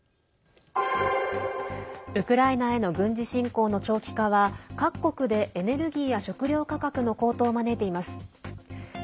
ウクライナへの軍事侵攻の長期化は各国でエネルギーや食料価格の高騰を招いています。